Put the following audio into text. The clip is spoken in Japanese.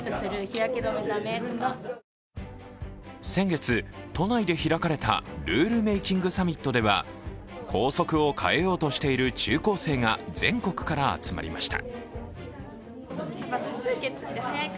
先月、都内で開かれたルールメイキングサミットでは校則を変えようとしている中高生が全国から集まりました。